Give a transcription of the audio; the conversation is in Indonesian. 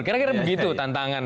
kira kira begitu tantangan